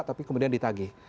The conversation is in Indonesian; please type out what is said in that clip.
tapi kemudian ditage